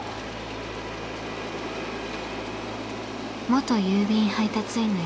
元郵便配達員の與